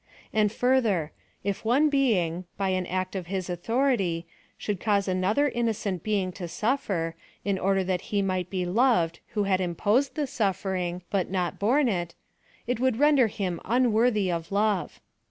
And further ; if one being, by an act of his authority, should cause another innocent bein g to suffer, in order that he might be loved who had imposed the suffering, but not borne it, it would render him unworthy of love.